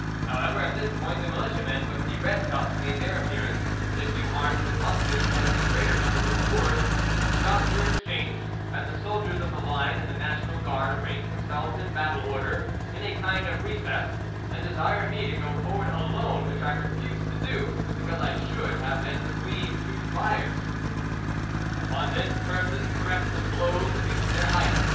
"However, at this point the militiamen with the red tufts made their appearance, a few armed with muskets but the greater number with swords; shots were exchanged, and the soldiers of the line and the National Guard arranged themselves in battle order, in a kind of recess, and desired me to go forward alone, which I refused to do, because I should have been between two fires. "Upon this, curses, threats, and blows reached their height.